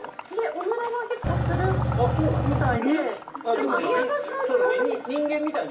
おならは結構するみたいで。